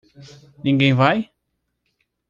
Ninguém vai?